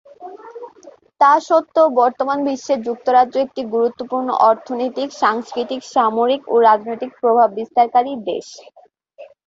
তা সত্ত্বেও বর্তমান বিশ্বে যুক্তরাজ্য একটি গুরুত্বপূর্ণ অর্থনৈতিক, সাংস্কৃতিক, সামরিক ও রাজনৈতিক প্রভাব বিস্তারকারী দেশ।